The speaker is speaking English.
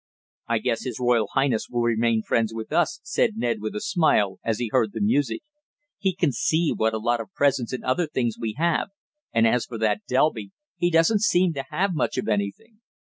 "I guess his royal highness will remain friends with us," said Ned with a smile, as he heard the music. "He can see what a lot of presents and other things we have, and as for that Delby, he doesn't seem to have much of anything."